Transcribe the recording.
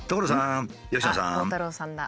あっ鋼太郎さんだ。